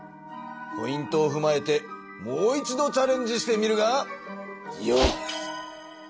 ポイントをふまえてもう一度チャレンジしてみるがよい！